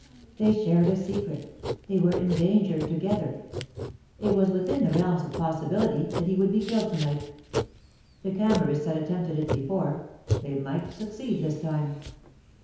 They shared a secret; they were in danger together. It was within the realms of possibility that he would be killed to night. The Camorrists had attempted it before; they might succeed this time.